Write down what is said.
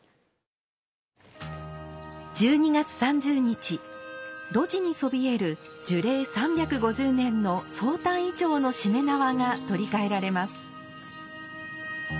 １２月３０日露地にそびえる樹齢３５０年の宗旦銀杏のしめ縄が取り替えられます。